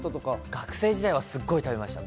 学生時代はたくさん食べました。